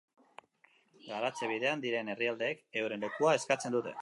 Garatze bidean diren herrialdeek euren lekua eskatzen dute.